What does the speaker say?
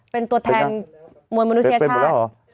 เป็นตัวแทนมวยมนุษยชาติ